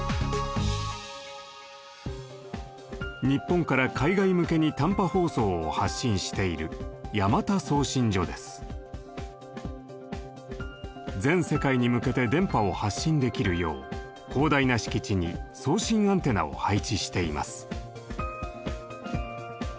日本から海外向けに短波放送を発信している全世界に向けて電波を発信できるよう広大な敷地に送信アンテナを配置しています。